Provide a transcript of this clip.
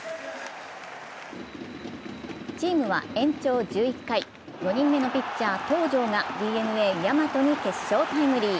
チームは延長１１回、４人目のピッチャー・東條がＤｅＮＡ・大和に決勝タイムリー。